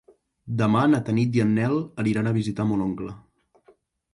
Demà na Tanit i en Nel aniran a visitar mon oncle.